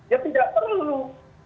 ya tidak perlu